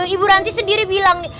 ibu ranti sendiri bilang